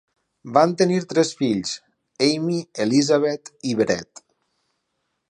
Van tenir tres fills: Amy, Elizabeth i Brett.